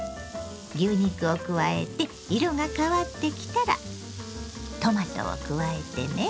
牛肉を加えて色が変わってきたらトマトを加えてね。